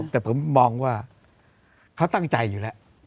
แต่ผมมองว่าเขาตั้งใจอยู่แล้ว